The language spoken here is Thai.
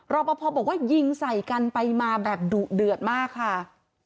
รอปภบอกว่ายิงใส่กันไปมาแบบดุเดือดมากค่ะ